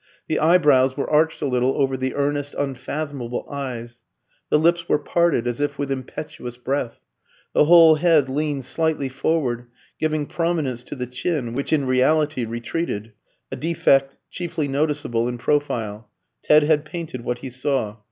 The eyebrows were arched a little over the earnest, unfathomable eyes; the lips were parted as if with impetuous breath; the whole head leaned slightly forward, giving prominence to the chin, which in reality retreated, a defect chiefly noticeable in profile. Ted had painted what he saw.